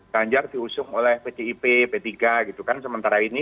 ganjar diusung oleh pdip p tiga gitu kan sementara ini